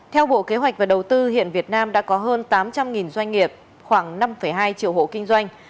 theo bộ kế hoạch và đầu tư hiện việt nam đã có hơn tám trăm linh doanh nghiệp khoảng năm hai triệu hộ kinh doanh